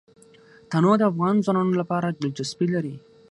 تنوع د افغان ځوانانو لپاره دلچسپي لري.